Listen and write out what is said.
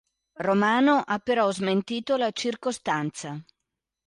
Romano ha però smentito la circostanza.